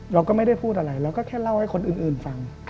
เราก็ไม่ได้พูดอะไรเราก็แค่เล่าให้คนอื่นฟัง